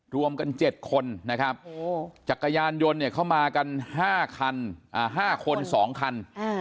รวมกัน๗คนนะครับจักรยานยนต์เข้ามากัน๕คน๒คัน